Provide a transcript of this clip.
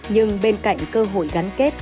nhưng bên cạnh cơ hội gắn kết